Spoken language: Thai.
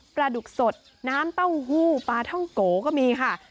ปลาดุกสดน้ำเต้าหู้ปลาท่องโกก็มีค่ะ